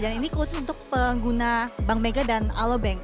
dan ini khusus untuk pengguna bank mega dan alo bank